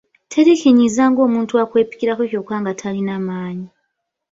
Teri kinyiiza ng’omuntu akwepikirako kyokka nga talina maanyi.